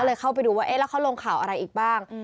เข้าไปดูว่าเอ๊ะแล้วเขาลงข่าวอะไรอีกบ้าง